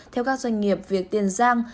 theo các doanh nghiệp việc tiền giang